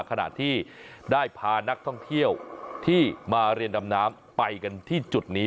ขณะที่ได้พานักท่องเที่ยวที่มาเรียนดำน้ำไปกันที่จุดนี้